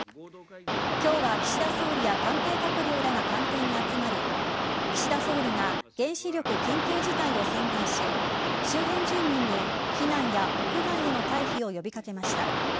今日は岸田総理や官邸閣僚らが官邸に集まり岸田総理が原子力緊急事態を宣言し周辺住民に避難や屋内への退避を呼び掛けました。